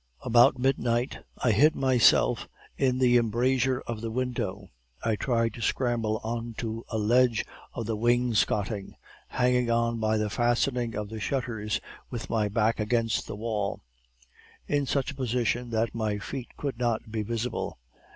"About midnight I hid myself in the embrasure of the window. I tried to scramble on to a ledge of the wainscoting, hanging on by the fastening of the shutters with my back against the wall, in such a position that my feet could not be visible.